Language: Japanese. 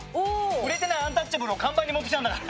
売れてないアンタッチャブルを看板に持ってきたんだから。